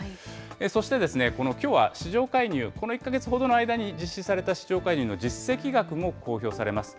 そして、このきょうは市場介入、この１か月ほどの間に実施された市場介入の実績額も公表されます。